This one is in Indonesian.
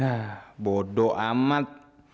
hah bodo amat